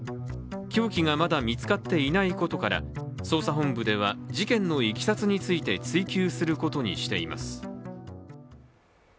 凶器がまだ見つかっていないことから捜査本部では、事件のいきさつについて追及することにしています。